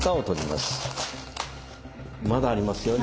まだありますよ